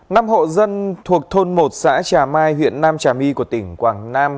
năm hộ dân thuộc thôn một xã trà mai huyện nam trà my của tỉnh quảng nam